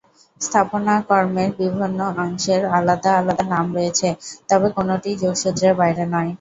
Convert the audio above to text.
স্থাপনাকর্মের বিভিন্ন অংশের আলাদা আলাদা নাম রয়েছে, তবে কোনোটিই যোগসূত্রের বাইরে নয়।